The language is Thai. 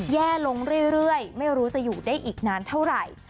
แย่ลงเรื่อยไม่รู้จะอยู่ได้อีกนานเท่าไหร่